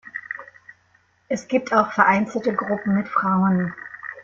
Es gibt auch vereinzelte Gruppen mit Frauen.